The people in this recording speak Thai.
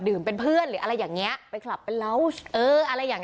เป็นเพื่อนหรืออะไรอย่างเงี้ยไปคลับเป็นเหล้าเอออะไรอย่าง